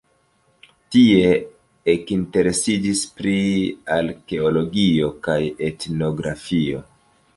Tie ekinteresiĝis pri arkeologio kaj etnografio.